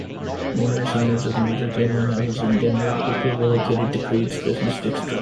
Numerous owners of major gambling houses in Denver quickly relocated to Creede's business district.